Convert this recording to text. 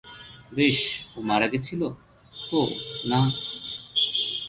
বেশ, ও মারা গেছিল, তো, না।